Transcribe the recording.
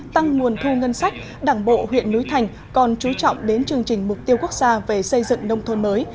tăng nguồn thu ngân sách đảng bộ huyện núi thành còn chú trọng đến chương trình mục tiêu quốc gia về xây dựng nông thôn mới